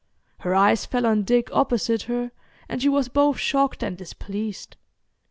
Her eyes fell on Dick opposite her and she was both shocked and displeased.